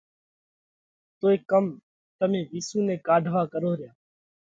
توئي ڪم تمي وِيسُو نئہ ڪاڍوا ڪروه ريا؟